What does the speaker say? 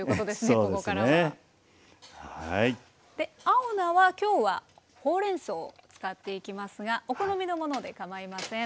青菜は今日はほうれんそうを使っていきますがお好みのものでかまいません。